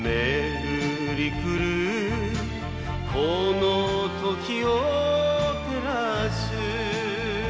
「この時を照らす」